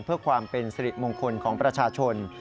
เพื่อความเป็นสิริมงคลของประชาชน